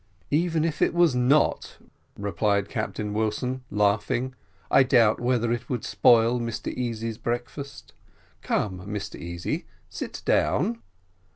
"Even if it was not," replied Captain Wilson, laughing, "I doubt whether it would spoil Mr Easy's breakfast; come, Mr Easy, sit down."